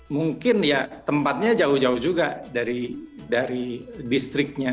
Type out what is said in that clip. mungkin ya tempatnya jauh jauh juga dari distriknya